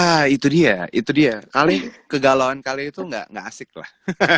ah itu dia itu dia kali kegalauan kale itu enggak asik lah